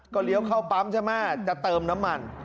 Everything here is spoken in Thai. เลี้ยวเข้าปั๊มใช่ไหมจะเติมน้ำมัน